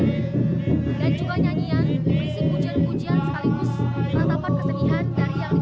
jadi tarian dan juga nyanyian berisi pujian sekaligus menetapkan kesedihan dari yang ditinggalkan